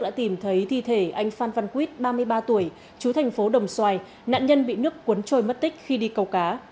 đã tìm thấy thi thể anh phan văn quýt ba mươi ba tuổi chú thành phố đồng xoài nạn nhân bị nước cuốn trôi mất tích khi đi cầu cá